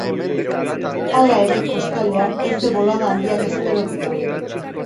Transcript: Hala ere, kostaldean haize bolada handiak espero dira.